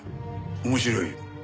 面白い。